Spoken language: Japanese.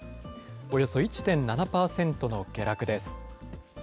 およそ１．７％の下落です。